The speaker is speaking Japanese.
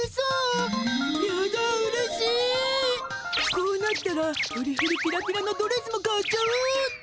こうなったらフリフリピラピラのドレスも買っちゃおうっと！